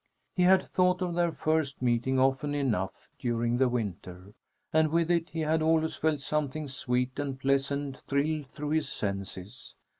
He had thought of their first meeting often enough during the winter, and with it he had always felt something sweet and pleasant thrill through his senses.